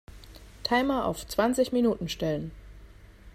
Timer auf zwanzig Minuten stellen.